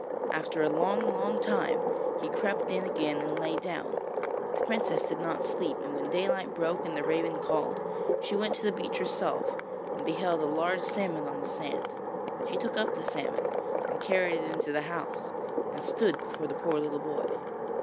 After a long, long time he crept in again and lay down, but the princess did not sleep; and when daylight broke and the raven called, she went to the beach herself, and beheld a large salmon on the sand. She took up the salmon, and carried it into the house, and stood before the poor little boy.